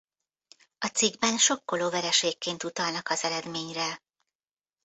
A cikkben sokkoló vereségként utalnak az eredményre.